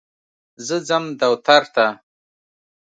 زه ځم دوتر ته.